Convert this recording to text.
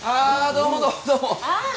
どうもどうもどうもああ